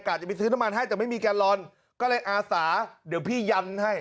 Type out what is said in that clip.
จะไปซื้อน้ำมันให้แต่ไม่มีแกนลอนก็เลยอาสาเดี๋ยวพี่ยันให้